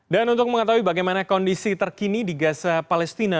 dan untuk mengetahui bagaimana kondisi terkini di gaza palestina